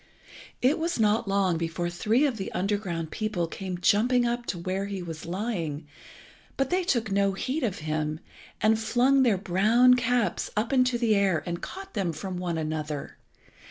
It was not long before three of the underground people came jumping up to where he was lying, but they took no heed of him, and flung their brown caps up into the air, and caught them from one another.